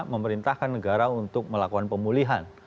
memerintahkan negara untuk melakukan pemulihan